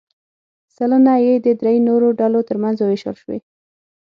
سلنه یې د درې نورو ډلو ترمنځ ووېشل شوې.